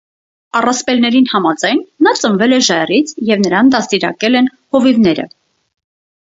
Առասպելներին համաձայն նա ծնվել է ժայռից և նրան դաստիարակել են հովիվները։